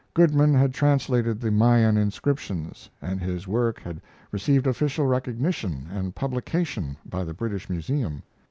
Goodman had translated the Mayan inscriptions, and his work had received official recognition and publication by the British Museum.